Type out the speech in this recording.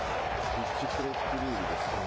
ピッチクロックルールですね。